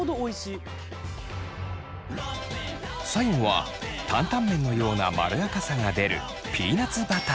最後は担々麺のようなまろやかさが出るピーナツバター。